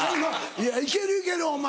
いやいけるいけるお前。